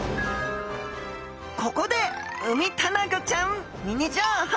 ここでウミタナゴちゃんミニ情報！